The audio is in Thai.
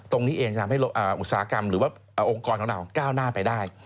ตรงนี้เองจะทำให้อุตสาหกรรมหรือว่าองค์กรของเราก้าวหน้าไปได้